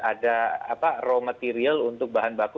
ada raw material untuk bahan baku